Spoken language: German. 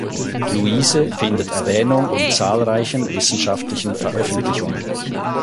Luise findet Erwähnung in zahlreichen wissenschaftlichen Veröffentlichungen.